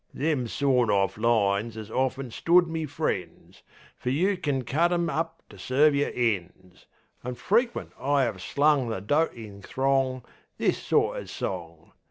Them sawed orf lines 'as often stood me friends; Fer you kin cut 'em upto serve yer ends. An' frequent I 'ave slung the dotin' throng This sort o' song.